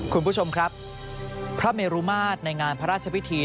คุณผู้ชมครับพระเมรุมาตรในงานพระราชพิธี